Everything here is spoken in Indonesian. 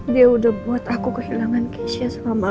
dia udah buat aku kehilangan keisha selama lamanya